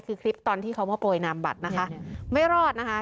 คือคลิปตอนที่เขามาโปรยนามบัตรนะคะไม่รอดนะคะ